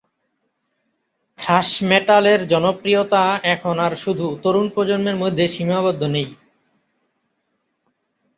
Trash মেটালের জনপ্রিয়তা এখন আর শুধু তরুণ প্রজন্মের মধ্যে সীমাবদ্ধ নেই।